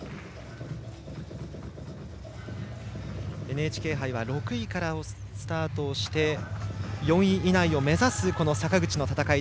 ＮＨＫ杯は６位からスタートして４位以内を目指す坂口の戦い。